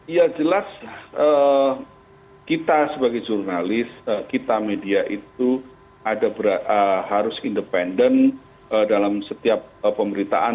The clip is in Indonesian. ya jelas kita sebagai jurnalis kita media itu harus independen dalam setiap pemberitaan